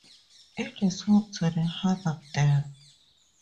It is home to the Hardap Dam.